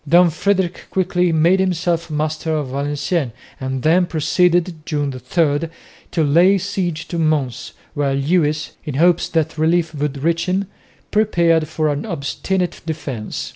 Don Frederick quickly made himself master of Valenciennes and then proceeded (June 3) to lay siege to Mons, where Lewis, in hopes that relief would reach him, prepared for an obstinate defence.